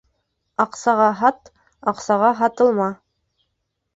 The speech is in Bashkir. Аҡсаға һат, аҡсаға һатылма.